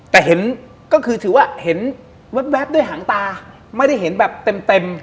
แต่เห็นก็คือถือว่าเห็นแว๊บด้วยหางตาไม่ได้เห็นแบบเต็มเต็ม